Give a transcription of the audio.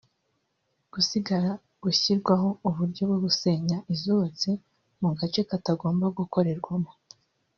hasigara gushyirwaho uburyo bwo gusenya izubatse mu gace katagomba gukorerwamo